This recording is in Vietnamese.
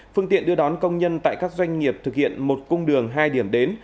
phương tiện đưa đón công nhân tại các doanh nghiệp thực hiện một cung đường hai điểm đến